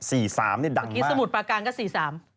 เมื่อกี้สมุดปากการก็๔๓